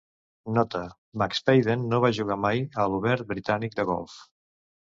Nota: McSpaden no va jugar mai a l'Obert Britànic de Golf.